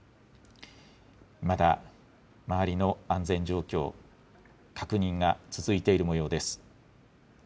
まだ、周りの安全状況、確認が続いているもようです。